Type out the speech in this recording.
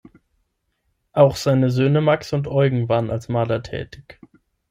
Auch seine Söhne Max und Eugen waren als Maler tätig.